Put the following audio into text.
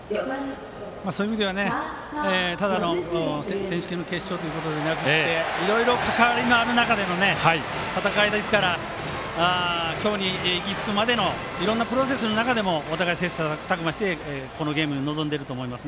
そういう意味ではただの選手権の決勝というだけではなくていろいろと関わりのある中での戦いですから今日に行き着くまでのいろんなプロセスの中でもお互いに切磋琢磨してこのゲームに臨んでると思います。